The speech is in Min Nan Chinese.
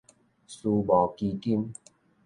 私募基金